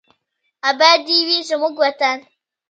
اباد دې وي زموږ وطن.